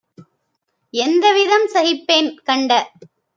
எந்தவிதம் சகிப்பேன்? - கண்ட